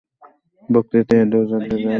বক্তৃতায় এ দু-জাত বেজায় পটু।